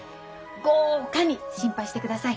豪華に心配してください。